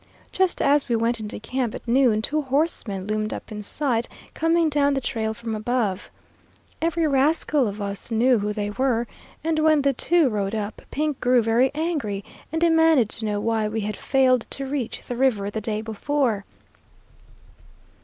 Just as we went into camp at noon, two horsemen loomed up in sight coming down the trail from above. Every rascal of us knew who they were, and when the two rode up, Pink grew very angry and demanded to know why we had failed to reach the river the day before.